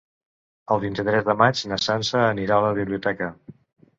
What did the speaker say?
El vint-i-tres de maig na Sança anirà a la biblioteca.